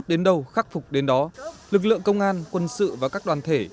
khẩn trương lũ rút đến đâu khắc phục đến đó lực lượng công an quân sự và các đoàn thể